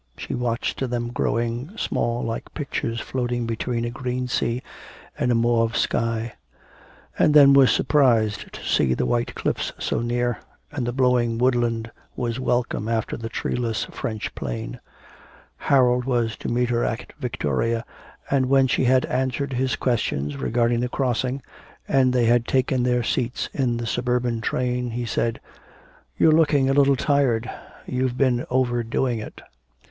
She watched them growing small like pictures floating between a green sea and a mauve sky; and then was surprised to see the white cliffs so near; and the blowing woodland was welcome after the treeless French plain. Harold was to meet her at Victoria, and when she had answered his questions regarding the crossing, and they had taken their seats in the suburban train, he said: 'You're looking a little tired, you've been over doing it.'